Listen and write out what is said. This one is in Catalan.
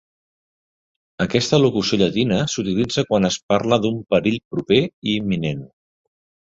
Aquesta locució llatina s'utilitza quan es parla d'un perill proper i imminent.